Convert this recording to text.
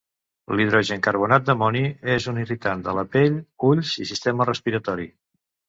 L'hidrogencarbonat d'amoni és un irritant de la pell, ulls i sistema respiratori.